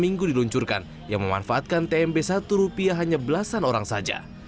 minggu diluncurkan yang memanfaatkan tmb satu rupiah hanya belasan orang saja